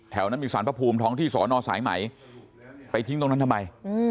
แถวนั้นมีสารพระภูมิท้องที่สอนอสายไหมไปทิ้งตรงนั้นทำไม